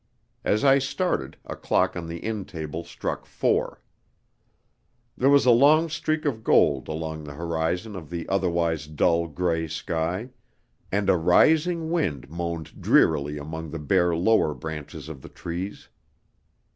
As I started, a clock on the inn table struck four. There was a long streak of gold along the horizon of the otherwise dull grey sky, and a rising wind moaned drearily among the bare lower branches of the trees.